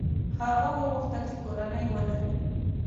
هغه وغوښتل چې کورنۍ ولري.